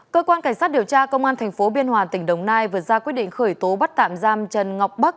cơ quan cảnh sát điều tra công an tp biên hòa tỉnh đồng nai vừa ra quyết định khởi tố bắt tạm giam trần ngọc bắc